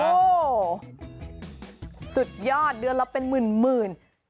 โหสุดยอดเดือนแล้วเป็นหมื่นหมื่น